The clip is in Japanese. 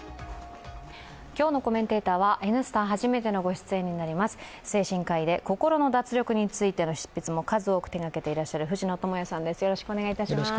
今日のコメンテーターは「Ｎスタ」初めてのご出演になります精神科医で心の脱力についての執筆も数多く手がけていらっしゃる藤野智哉さんです。